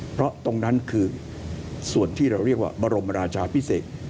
เพราะตรงนั้นคือส่วนที่เราเรียกว่าบรมราชาพิเศษ